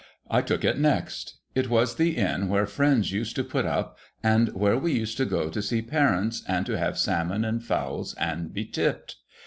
I took it next. It was the Inn where friends used to put up, and where we used to go to see parents, and to have salmon and fowls, and be tipped.